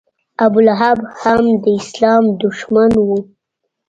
ابولهب هم د اسلام دښمن و.